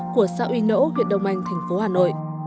của xã uy nỗ huyện đông anh thành phố hà nội